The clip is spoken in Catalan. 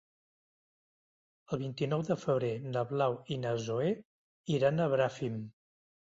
El vint-i-nou de febrer na Blau i na Zoè iran a Bràfim.